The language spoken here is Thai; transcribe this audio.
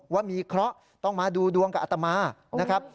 ว่ามีเคราะห์ต้องมาดูดวงกับอัตมานะครับ